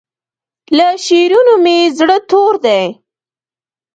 له شعرونو مې زړه تور دی